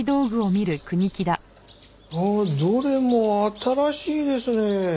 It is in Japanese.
ああどれも新しいですね。